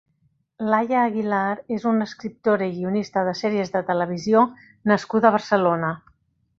Laia Aguilar és una escriptora i guionista de sèries de televisió nascuda a Barcelona.